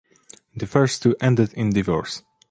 The first two ended in divorce.